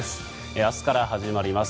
明日から始まります